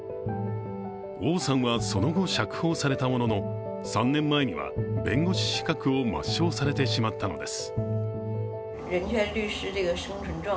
王さんはその後、釈放されたものの３年前には、弁護士資格を抹消されてしまったのです。